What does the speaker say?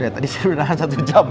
tadi saya udah nangis satu jam